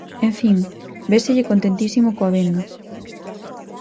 En fin, véselle contentísimo coa venda.